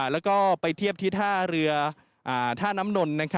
แล้วก็ไปเทียบที่ท่าเรือท่าน้ำนน